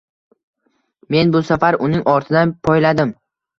Men bu safar uning ortidan poyladim